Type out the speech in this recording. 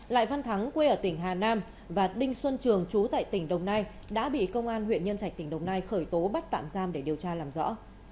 lại văn thắng quê ở tỉnh hà nam và đinh xuân trường chú tại tỉnh đồng nai đã bị công an huyện nhân trạch tỉnh đồng nai khởi tố bắt tạm giam để điều tra làm rõ